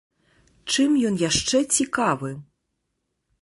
Чым ён яшчэ цікавы?